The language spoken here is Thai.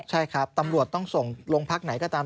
ใช่ครับตำรวจต้องส่งโรงพักไหนก็ตาม